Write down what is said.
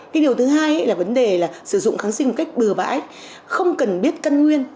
cái điều thứ hai là vấn đề là sử dụng kháng sinh một cách bừa bãi không cần biết căn nguyên